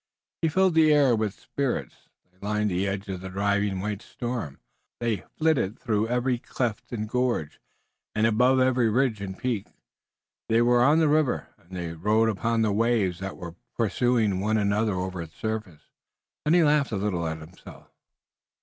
He filled the air with spirits. They lined the edge of the driving white storm. They flitted through every cleft and gorge, and above every ridge and peak. They were on the river, and they rode upon the waves that were pursuing one another over its surface. Then he laughed a little at himself.